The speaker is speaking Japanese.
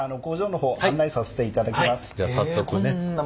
じゃあ早速ね。